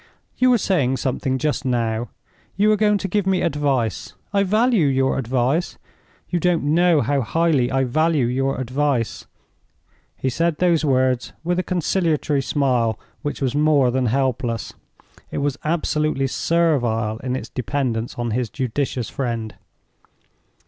You were saying something just now; you were going to give me advice. I value your advice; you don't know how highly I value your advice." He said those words with a conciliatory smile which was more than helpless; it was absolutely servile in its dependence on his judicious friend.